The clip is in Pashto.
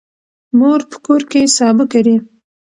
مور په کور کې سابه کري.